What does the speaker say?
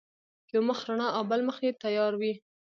یو مخ رڼا او بل مخ یې تیار وي.